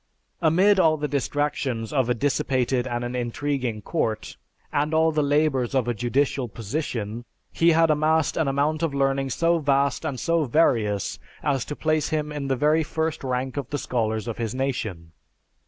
Amid all the distractions of a dissipated and an intriguing court, and all the labors of a judicial position, he had amassed an amount of learning so vast and so various as to place him in the very first rank of the scholars of his nation.